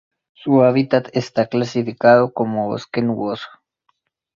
Su hábitat está clasificado como bosque nuboso.